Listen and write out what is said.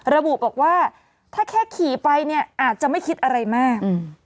ระบุบอกว่าถ้าแค่ขี่ไปเนี่ยอาจจะไม่คิดอะไรมาก